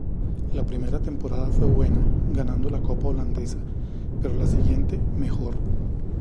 La primera temporada fue buena, ganando la Copa holandesa, pero la siguiente, mejor.